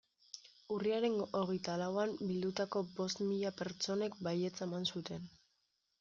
Urriaren hogeita lauan bildutako bost mila pertsonek baietza eman zuten.